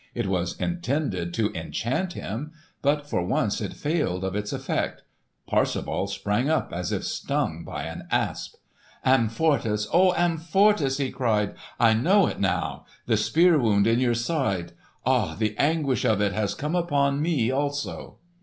It was intended to enchant him, but for once it failed of its effect. Parsifal sprang up as if stung by an asp. "Amfortas! O Amfortas!" he cried. "I know it now! The spear wound in your side! Ah, the anguish of it has come upon me also!"